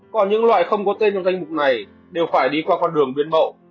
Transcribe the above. còn những loại không có tên trong danh mục này đều phải đi qua con đường biến bậu